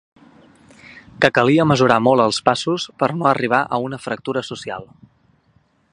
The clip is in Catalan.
Que calia mesurar molt els passos per no arribar a una fractura social.